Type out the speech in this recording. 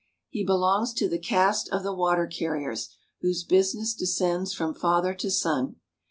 He belongs to the caste of the water carriers, whose business descends from father to son.